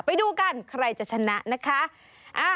ไปดูกันใครจะชนะนะคะ